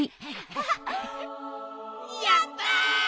やった！